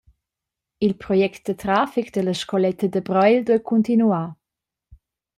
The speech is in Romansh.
Il project da traffic dalla scoletta da Breil duei cuntinuar.